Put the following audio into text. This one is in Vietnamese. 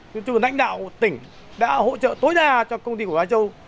chúng tôi là lãnh đạo tỉnh đã hỗ trợ tối ra cho công ty của á châu